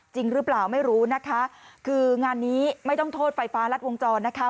จริงหรือเปล่าไม่รู้นะคะคืองานนี้ไม่ต้องโทษไฟฟ้ารัดวงจรนะคะ